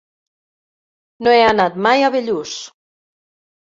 No he anat mai a Bellús.